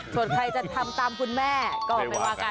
ส่วนใครจะทำตามคุณแม่ก็ไม่ว่ากัน